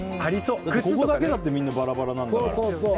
ここだけだってみんなバラバラなんだから。